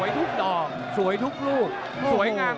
โดนท่องโดนท่องมีอาการ